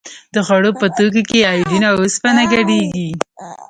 د خوړو په توکو کې ایوډین او اوسپنه ګډیږي؟